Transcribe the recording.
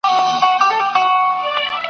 خو په واشنګټن او د نړۍ په نورو سیمو کي ..